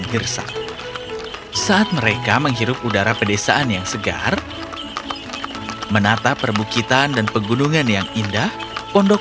kita sudah sampai anak anak